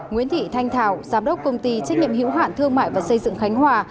nguyễn thị thanh thảo giám đốc công ty trách nhiệm hiểu hạn thương mại và xây dựng khánh hòa